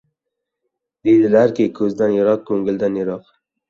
• Dedilarki, ko‘zdan yiroq ko‘ngildan yiroq.